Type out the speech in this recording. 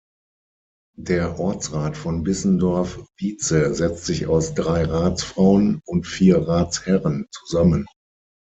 Der Ortsrat von Bissendorf-Wietze setzt sich aus drei Ratsfrauen und vier Ratsherren zusammen.